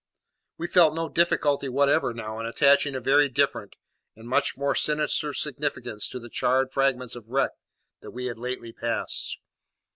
We felt no difficulty whatever now in attaching a very different and much more sinister significance to the charred fragments of wreck we had lately passed.